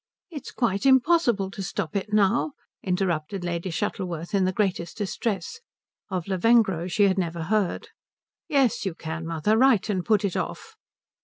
"It's quite impossible to stop it now," interrupted Lady Shuttleworth in the greatest distress; of Lavengro she had never heard. "Yes you can, mother. Write and put it off."